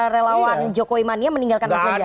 relawan jokowi mania meninggalkan mas ganjar